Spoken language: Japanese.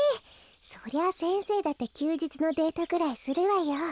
そりゃ先生だってきゅうじつのデートぐらいするわよ。